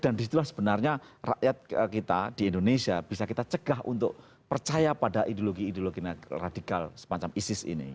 dan disitulah sebenarnya rakyat kita di indonesia bisa kita cegah untuk percaya pada ideologi ideologi radikal semacam isis ini